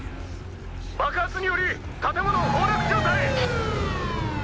爆発により建物崩落状態。